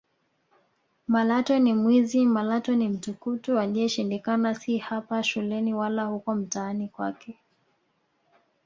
Malatwe ni mwizi Malatwe ni mtukutu aliyeshindikana si hapa shuleni wala huko mtaani kwake